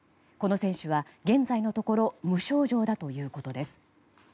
この選手は現在のところ無症状ということです。